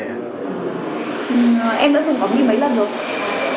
em đã dùng cỏ mỹ mấy lần rồi